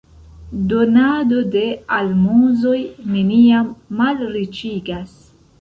Donado de almozoj neniam malriĉigas.